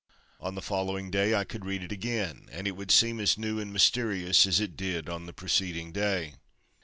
On the following day I could read it again and it would seem as new and mysterious as it did on the preceding day."